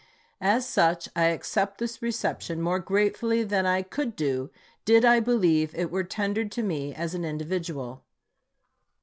As such, I accept this reception more gratefully than I could do did I believe it were tendered to me as an individual.